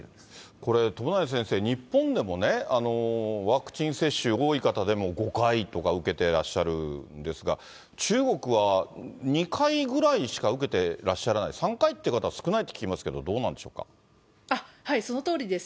これ、友成先生、日本でもね、ワクチン接種、多い方でも５回とか受けてらっしゃるんですが、中国は２回ぐらいしか受けてらっしゃらない、３回っていう方は少ないと聞いているんですが、どうなんでしょうそのとおりです。